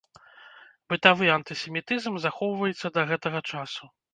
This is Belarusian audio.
Бытавы антысемітызм захоўваецца да гэтага часу.